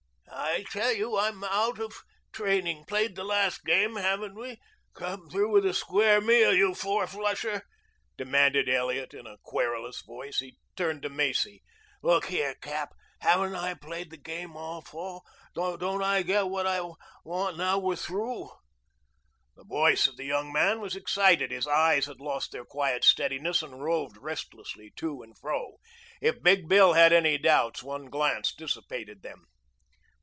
"I tell you I'm out of training. Played the last game, haven't we? Come through with a square meal, you four flusher," demanded Elliot in a querulous voice. He turned to Macy. "Look here, Cap. Haven't I played the game all fall? Don't I get what I want now we're through?" The voice of the young man was excited. His eyes had lost their quiet steadiness and roved restlessly to and fro. If Big Bill had held any doubts one glance dissipated them.